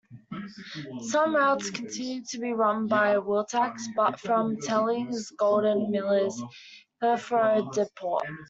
Some routes continued to be run by Wiltax, but from Tellings-Golden Miller's Heathrow depot.